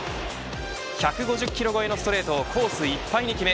１５０キロ超えのストレートをコースいっぱいに決め